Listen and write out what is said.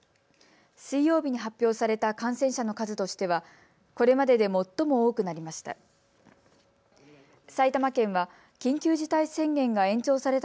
水曜日に発表された感染者の数としてはこれまでで最も多くなりました。